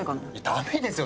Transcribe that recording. ダメですよ